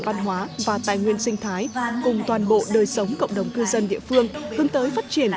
văn hóa và tài nguyên sinh thái cùng toàn bộ đời sống cộng đồng cư dân địa phương hướng tới phát triển